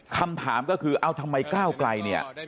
คำถามก็คือเอาทำไมก้าวไกลเนี่ย